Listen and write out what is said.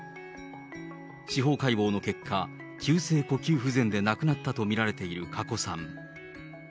司法解剖の結果、急性呼吸不全で亡くなったと見られている加古さん。